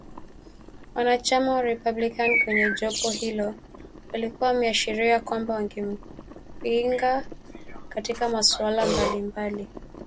Wanachama wa Republican kwenye jopo hilo walikuwa wameashiria kwamba wangempinga katika masuala mbali-mbali